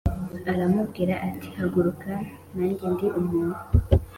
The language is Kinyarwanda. Aramubwira ati haguruka nanjye ndi umuntu